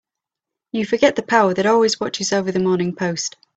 You forget the power that always watches over the Morning Post.